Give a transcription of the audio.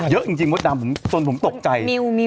เยอะจริงมดดำจนผมตกใจ